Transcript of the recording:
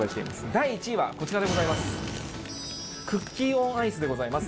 第１位はこちらでございます。